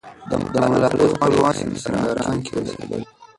د ملالۍ خپلوان په سینګران کې اوسېدل.